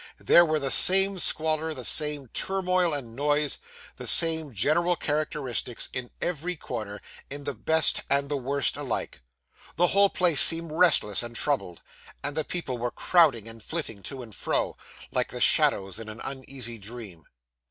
There were the same squalor, the same turmoil and noise, the same general characteristics, in every corner; in the best and the worst alike. The whole place seemed restless and troubled; and the people were crowding and flitting to and fro, like the shadows in an uneasy dream.